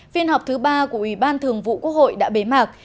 phiên họp thứ ba của ủy ban thường vụ quốc hội đã bế mạc